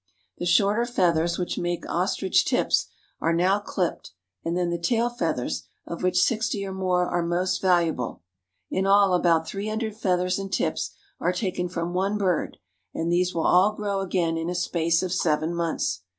The shorter feathers, which make ostrich tips, are now clipped and then the tail feathers, of which sixty or more are most valuable. In all about three hundred feathers and tips are taken from one bird, and these will all grow again in a space of seven months. .